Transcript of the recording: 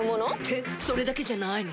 ってそれだけじゃないの。